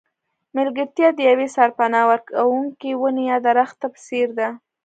ملګرتیا د یوې سرپناه ورکوونکې ونې یا درخته په څېر ده.